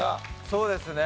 そうですね